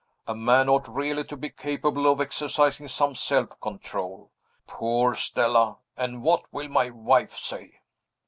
"A man ought really to be capable of exercising some self control. Poor Stella! And what will my wife say?"